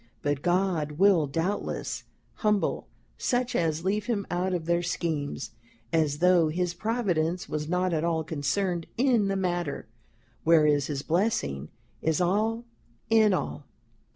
But God will, doubtless, humble such as leave him out of their Schemes, as though his Providence was not at all concerned in the matter whereas his Blessing is all in all."